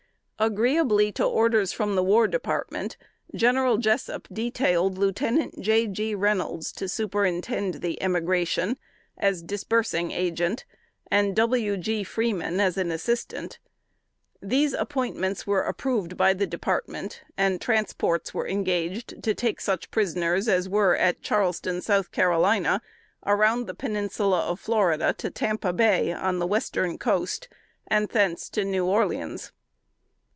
Agreeably to orders from the War Department, General Jessup detailed Lieutenant J. G. Reynolds to superintend the emigration, as disbursing agent, and W. G. Freeman as an assistant. These appointments were approved by the Department; and transports were engaged to take such prisoners as were at Charleston, South Carolina, around the peninsula of Florida to Tampa Bay, on the western coast, and thence to New Orleans.